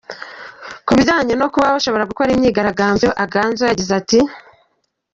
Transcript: Ku bijyanye no kuba bashobora gukora imyigaragambyo, Aganzo yagize ati:.